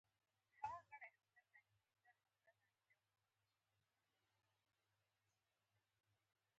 خورا جالب رنګ و .